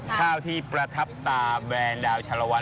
ค่าที่ประทับตาแบรนด์ดาวน์ชะละวัน